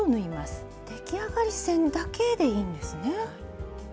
出来上がり線だけでいいんですね。